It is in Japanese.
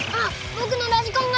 ぼくのラジコンが。